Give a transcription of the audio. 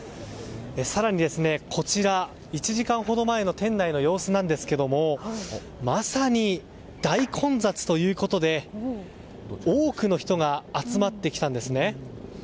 更に、こちら１時間ほど前の店内の様子ですがまさに大混雑ということで多くの人が集まってきたんですね。